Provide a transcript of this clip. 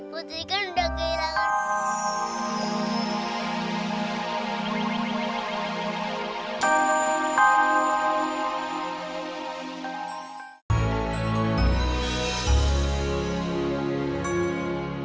putri kan udah kehilangan bunda dari